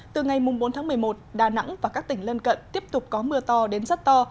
từ ngày bốn tháng một mươi một đà nẵng và các tỉnh lân cận tiếp tục có mưa to đến rất to